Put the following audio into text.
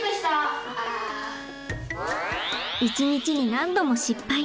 一日に何度も失敗。